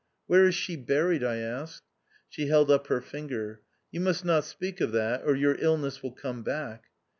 " Where is she buried ?" I asked. She held up her finger. " You must not. speak of that or your illness will come back."